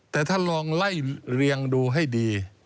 แต่ถ้าลองไล่เรียงดูให้ดี